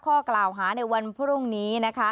ข้อกล่าวหาในวันพรุ่งนี้